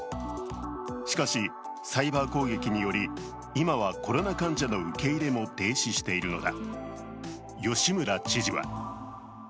しかし、サイバー攻撃により今はコロナ患者の受け入れも停止しているのだ。